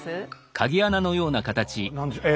いや何でしょう。